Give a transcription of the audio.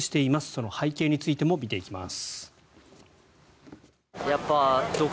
その背景についても見ていきます。